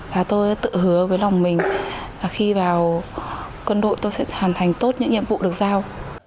và tôi tự hứa với lòng mình khi vào quân đội tôi sẽ hoàn thành tốt những nhiệm vụ được giao